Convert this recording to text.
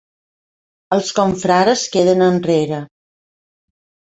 Els confrares queden enrere.